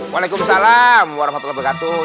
waalaikumsalam warahmatullahi wabarakatuh